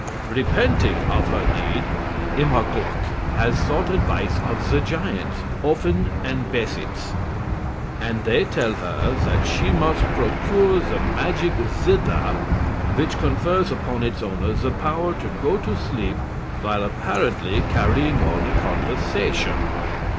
Repenting of her deed, Immerglück has sought advice of the giants, Offen and Besitz, and they tell her that she must procure the magic zither which confers upon its owner the power to go to sleep while apparently carrying on a conversation.